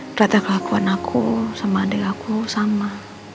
beratnya kelakuan aku sama adik aku sama